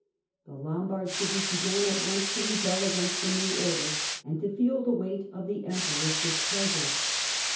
The Lombard cities began at once to rebel against the new order and to feel the weight of the Emperor's displeasure.